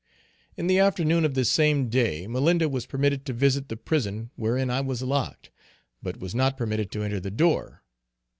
In the afternoon of the same day Malinda was permitted to visit the prison wherein I was locked, but was not permitted to enter the door.